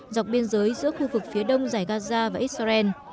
dọc biên giới giữa khu vực phía đông giải gaza và israel